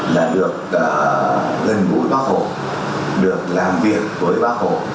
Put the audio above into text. đã được gần gũi bác hồ được làm việc với bác hồ